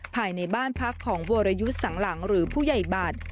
ภายในบ้านพักของวรยุทธ์สังหลังหรือผู้ใหญ่บัตร